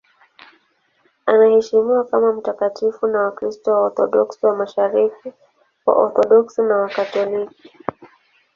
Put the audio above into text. Anaheshimiwa kama mtakatifu na Wakristo Waorthodoksi wa Mashariki, Waorthodoksi na Wakatoliki.